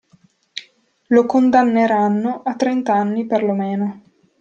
Lo condanneranno a trent'anni per lo meno.